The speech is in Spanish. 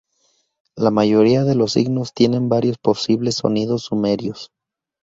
La mayoría de los signos tienen varios posibles sonidos sumerios.